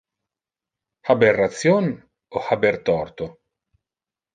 Haber ration o haber torto?